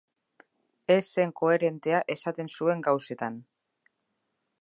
Ez zen koherentea esaten zuen gauzetan.